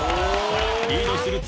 ［リードする土屋］